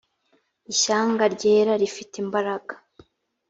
ishyanga ryera rifite imbaraga